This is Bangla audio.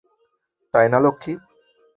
তাই না লক্ষ্মী!